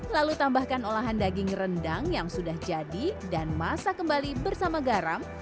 lalu tambahkan olahan daging rendang yang sudah jadi dan masak kembali bersama garam